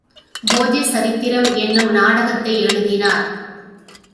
போஜ சரித்திரம் என்னும் நாடகத்தை எழுதினார்.